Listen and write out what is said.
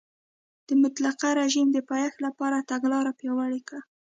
د مطلقه رژیم د پایښت لپاره یې تګلاره پیاوړې کړه.